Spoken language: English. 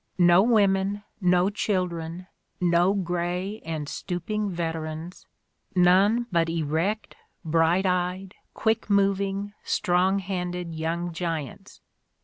No women, no children, no gray and stooping veterans — none but erect, bright eyed, quick moving, strong handed young giants.